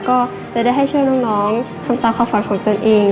ก็จะได้ให้ช่วยน้องทำตามความฝันของตนเอง